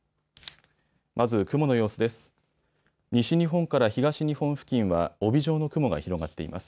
まず雲の様子です。